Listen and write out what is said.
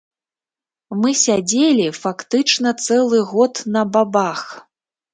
Мы сядзелі фактычна цэлы год на бабах.